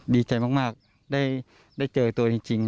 ดีใจมากได้เจอตัวจริง